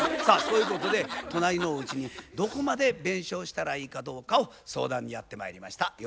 さあそういうことで隣のおうちにどこまで弁償したらいいかどうかを相談にやってまいりました。